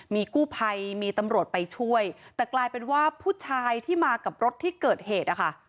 มีกู้ภัยมีตำรวจไปช่วยแต่กลายเป็นว่าผู้ชายที่มากับรถที่เกิดเหตุนะคะ